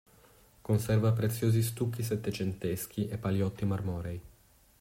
Conserva preziosi stucchi settecenteschi e paliotti marmorei.